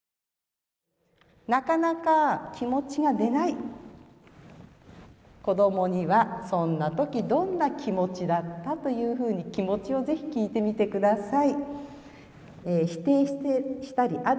なかなか気持ちが出ない子どもには「そんな時どんな気持ちだった？」というふうに気持ちを是非聞いてみてください。